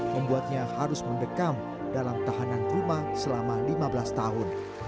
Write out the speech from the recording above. membuatnya harus mendekam dalam tahanan rumah selama lima belas tahun